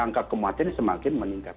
angka kematian semakin meningkat